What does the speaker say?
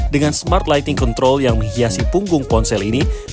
dengan smart lighting control yang menghiasi punggung ponsel ini